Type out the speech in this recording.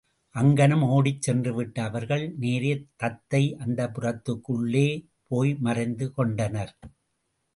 அங்ஙனம் ஓடிச் சென்றுவிட்ட அவர்கள், நேரே தத்தை அந்தப்புரத்திற்குள்ளே போய் மறைந்து கொண்டனர்.